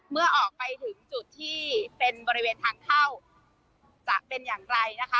เมื่อออกไปถึงจุดที่เป็นบริเวณทางเข้าจะเป็นอย่างไรนะคะ